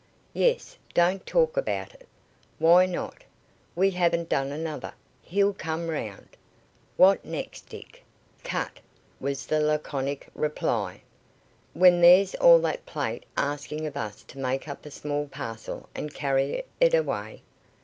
"Yes; don't talk about it." "Why not? We haven't done another. He'll come round." "What next, Dick?" "Cut," was the laconic reply. "When there's all that plate asking of us to make up a small parcel and carry it away?"